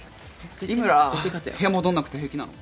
井村部屋戻んなくて平気なの？